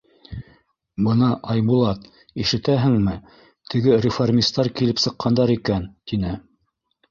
— Бына, Айбулат, ишетәһеңме, теге реформистар килеп сыҡҡандар икән, — тине.